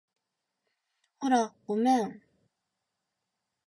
ほら、ごめん